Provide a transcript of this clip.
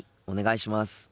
お願いします。